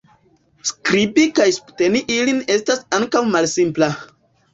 Skribi kaj subteni ilin estas ankaŭ malsimpla.